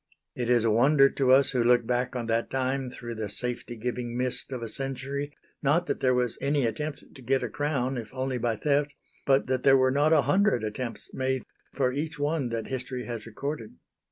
It is a wonder to us who look back on that time through the safety giving mist of a century, not that there was any attempt to get a crown, if only by theft, but that there were not a hundred attempts made for each one that history has recorded.